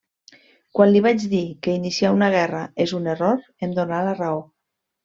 Quan li vaig dir que iniciar una guerra és un error, em donà la raó.